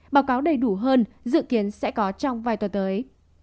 báo cáo đầy đủ hơn dự kiến sẽ có trong vài tuần tới